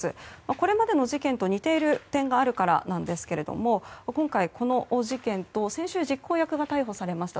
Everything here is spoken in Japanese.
これまでの事件と似ている点があるからなんですけども今回のこの事件と先週、実行役が逮捕されました